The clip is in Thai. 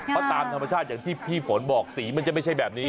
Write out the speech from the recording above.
เพราะตามธรรมชาติอย่างที่พี่ฝนบอกสีมันจะไม่ใช่แบบนี้